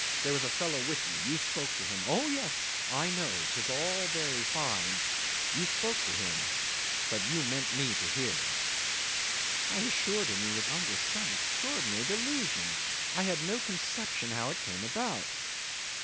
There was a fellow with you. You spoke to him oh yes I know; 'tis all very fine. You spoke to him, but you meant me to hear. ..." 'I assured him he was under some extraordinary delusion. I had no conception how it came about.